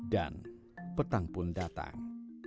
dan petang pun datang